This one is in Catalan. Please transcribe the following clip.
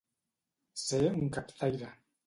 Ser un captaire.